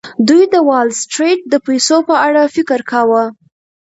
دوی د وال سټریټ د پیسو په اړه فکر کاوه